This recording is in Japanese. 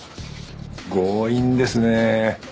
強引ですねえ。